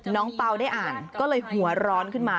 เปล่าได้อ่านก็เลยหัวร้อนขึ้นมา